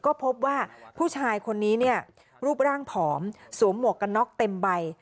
ก็พบว่าผู้ชายคนนี้เนี่ยรูปร่างผอมสวมหมวกกันน็อกเต็มใบ